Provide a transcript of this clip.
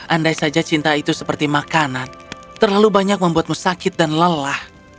andai saja cinta itu seperti makanan terlalu banyak membuatmu sakit dan lelah